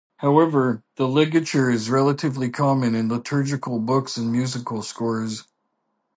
However, the ligature is still relatively common in liturgical books and musical scores.